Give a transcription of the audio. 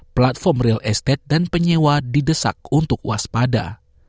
platform real estate dan penyewa didesak untuk waspada